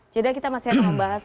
jeda kita masih ada membahas soal